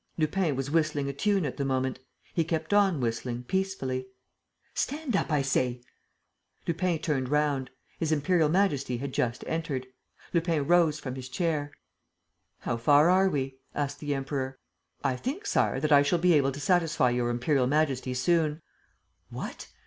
Lupin was whistling a tune at the moment. He kept on whistling, peacefully. "Stand up, I say!" Lupin turned round. His Imperial Majesty had just entered. Lupin rose from his chair. "How far are we?" asked the Emperor. "I think, Sire, that I shall be able to satisfy Your Imperial Majesty soon." "What?